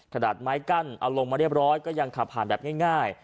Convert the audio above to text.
ดาดไม้กั้นเอาลงมาเรียบร้อยก็ยังขับผ่านแบบง่าย